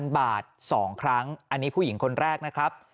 บาท๒ครั้งอันนี้ผู้หญิงคนแรกนะครับ